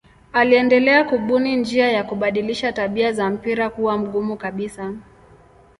Aliendelea kubuni njia ya kubadilisha tabia za mpira kuwa mgumu kabisa.